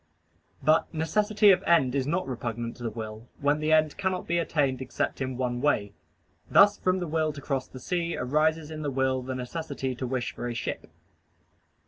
But necessity of end is not repugnant to the will, when the end cannot be attained except in one way: thus from the will to cross the sea, arises in the will the necessity to wish for a ship.